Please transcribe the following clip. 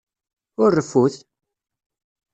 Ur reffut!